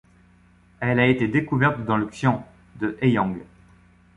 Elle a été découverte dans le xian de Heyang.